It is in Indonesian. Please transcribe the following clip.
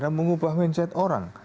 dan mengubah mindset orang